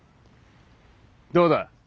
どうだ？